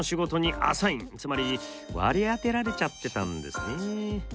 つまり割り当てられちゃってたんですね。